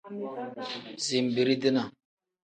Zinbirii-dinaa.